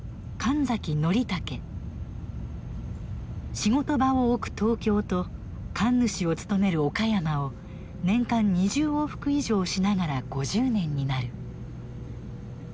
仕事場を置く東京と神主を務める岡山を年間２０往復以上しながら５０年になる。